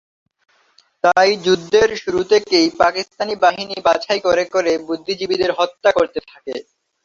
তাই যুদ্ধের শুরু থেকেই পাকিস্তানি বাহিনী বাছাই করে করে বুদ্ধিজীবীদের হত্যা করতে থাকে।